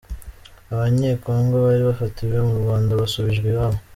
Abanyekongo bari bafatiwe mu Rwanda basubijwe iwabo